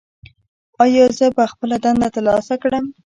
ایا زه به خپله دنده ترسره کړم؟